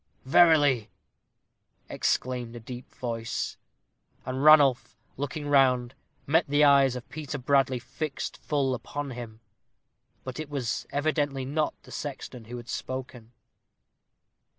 _" "Verily!" exclaimed a deep voice; and Ranulph, looking round, met the eyes of Peter Bradley fixed full upon him. But it was evidently not the sexton who had spoken.